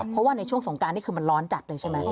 เพราะว่าในช่วงสงการนี่คือมันร้อนจัดเลยใช่ไหม